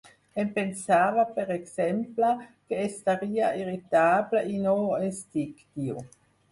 Em pensava, per exemple, que estaria irritable i no ho estic, diu.